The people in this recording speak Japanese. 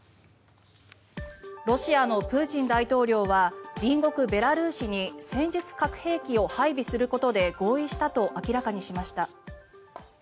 ロシアのプーチン大統領は隣国ベラルーシに戦術核兵器を配備することで合意したと明らかにしました。